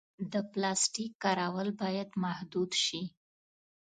د پلاسټیک کارول باید محدود شي.